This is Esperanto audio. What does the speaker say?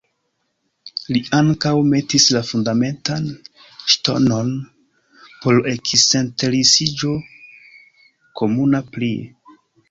Li ankaŭ metis la fundamentan ŝtonon por la ekinsteresiĝo komuna prie.